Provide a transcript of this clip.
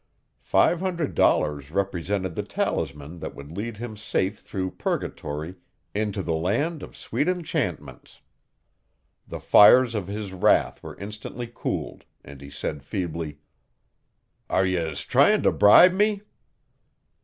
Five hundred dollars represented the talisman that would lead him safe through Purgatory into the land of sweet enchantments. The fires of his wrath were instantly cooled and he said feebly: "Are yez tryin' to bribe me?"